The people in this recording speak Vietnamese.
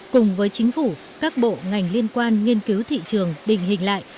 cùng với chính phủ các bộ ngành liên quan nghiên cứu thị trường định hình lại